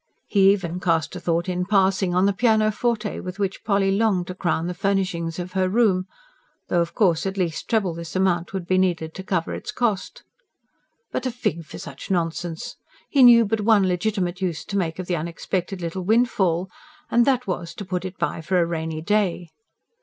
He even cast a thought, in passing, on the pianoforte with which Polly longed to crown the furnishings of her room though, of course, at least treble this amount would be needed to cover its cost. But a fig for such nonsense! He knew but one legitimate use to make of the unexpected little windfall, and that was, to put it by for a rainy day.